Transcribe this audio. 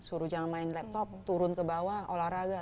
suruh jangan main laptop turun ke bawah olahraga